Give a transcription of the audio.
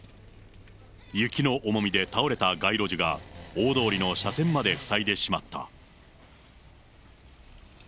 雪の重みで倒れた街路樹が大通りの車線まで塞いでしまった。